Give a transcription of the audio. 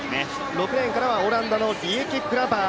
６レーンからはオランダのリエケ・クラバー。